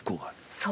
そう。